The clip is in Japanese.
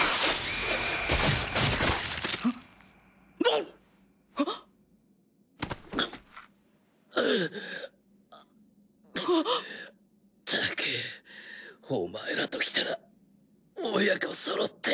ったくお前らときたら親子そろって。